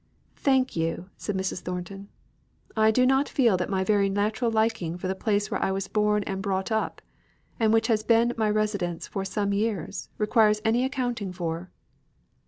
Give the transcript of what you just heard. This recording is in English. "Thank you," said Mrs. Thornton. "I do not feel that my very natural liking for the place where I was born and brought up, and which has since been my residence for some years, requires any accounting for."